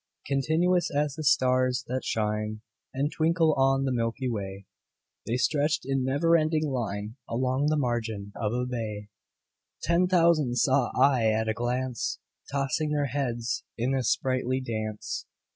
Continuous as the stars that shine And twinkle on the milky way, The stretched in never ending line Along the margin of a bay: Ten thousand saw I at a glance, Tossing their heads in sprightly dance.